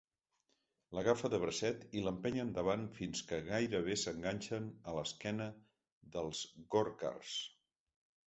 L'agafa de bracet i l'empeny endavant fins que gairebé s'enganxen a l'esquena dels Gòrkars.